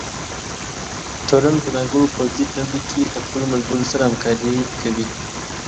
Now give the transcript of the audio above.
تورن په ځانګړو پوځي دندو کې د خپلو ملګرو سره همکارۍ کوي.